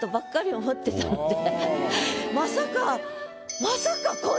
まさか。